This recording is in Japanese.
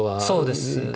そうですよね。